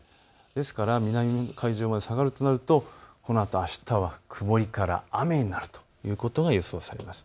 ですから南の海上まで下がるとなるとこのあとあしたは曇りから雨になるということが予想されています。